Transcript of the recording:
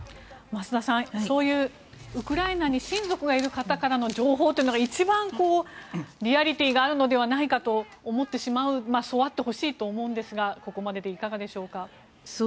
増田さん、そういうウクライナに親族がいる方からの情報というのが一番リアリティーがあるのではないかと思ってしまうそうあってほしいと思うんですがここまででいかがでしょうか。